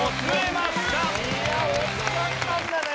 いや惜しかったんだね！